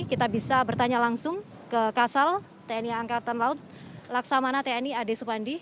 kita bisa bertanya langsung ke kasal tni angkatan laut laksamana tni ade supandi